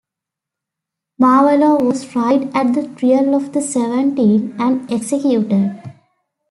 Muralov was tried at the "Trial of the Seventeen" and executed.